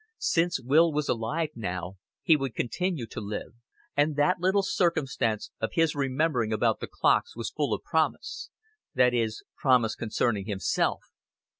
Since Will was alive now, he would continue to live. And that little circumstance of his remembering about the clocks was full of promise that is, promise concerning himself.